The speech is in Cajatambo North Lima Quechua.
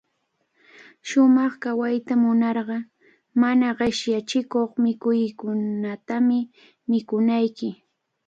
Shumaq kawayta munarqa, mana qishyachikuq mikuykunatami mikunayki.